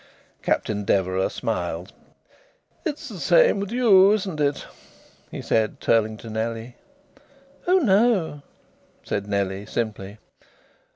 Captain Deverax smiled. "It is the same with you, isn't it?" he said turning to Nellie. "Oh, no," said Nellie, simply.